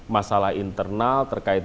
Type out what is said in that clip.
masalah internal terkait